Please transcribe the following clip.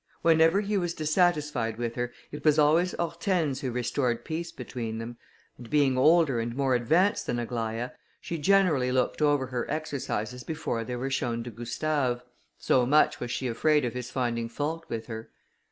Whenever he was dissatisfied with her, it was always Hortense who restored peace between them, and being older and more advanced than Aglaïa, she generally looked over her exercises before they were shown to Gustave, so much was she afraid of his finding fault with her.